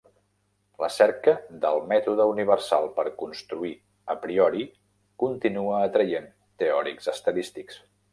La cerca "del mètode universal per construir a priori" continua atraient teòrics estadístics.